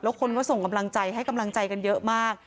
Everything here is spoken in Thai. คนก็ส่งกำลังใจให้กำลังใจกันเยอะมาก